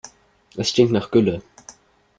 Es stinkt nach Gülle.